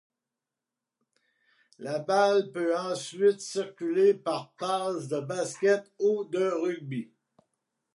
La balle peut ensuite circuler par passes de basket, ou de rugby.